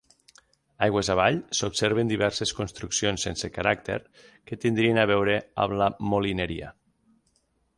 Aigües avall s'observen diverses construccions sense caràcter que tindrien a veure amb la molineria.